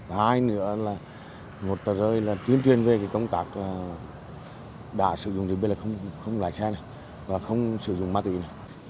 hai nữa là một tật rơi là tuyên truyền về công tác đã sử dụng từ bây giờ là không lái xe này và không sử dụng ma túy này